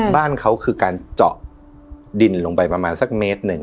บ้านเขาคือการเจาะดินลงไปประมาณสักเมตรหนึ่ง